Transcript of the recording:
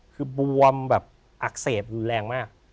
คือบวมแบบอักเสบรุนแรงมาก